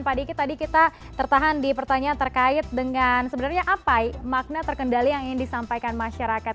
pak diki tadi kita tertahan di pertanyaan terkait dengan sebenarnya apa makna terkendali yang ingin disampaikan masyarakat